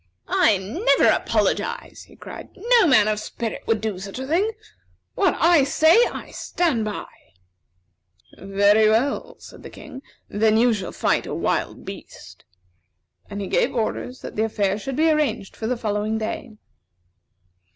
"I never apologize," he cried. "No man of spirit would do such a thing. What I say, I stand by." "Very well," said the King; "then you shall fight a wild beast." And he gave orders that the affair should be arranged for the following day.